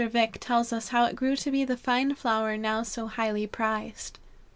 Vick tells us how it grew to be the fine flower now so highly prized.